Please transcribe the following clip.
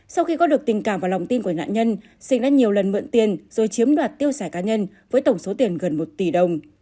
sau khi có được tình cảm và lòng tin của nạn nhân sinh đã nhiều lần mượn tiền rồi chiếm đoạt tiêu xài cá nhân với tổng số tiền gần một tỷ đồng